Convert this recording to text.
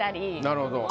なるほど。